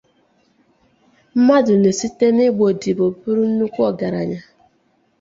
mmadụ na-esite n’ịgba odibo buru nnukwu ọgaranya.